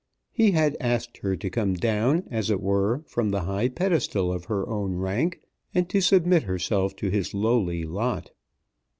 He had asked her to come down as it were from the high pedestal of her own rank, and to submit herself to his lowly lot.